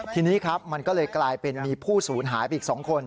ทีนี้ครับมันก็เลยกลายเป็นมีผู้สูญหายไปอีก๒คน